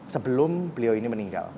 sebelum beliau ini meninggal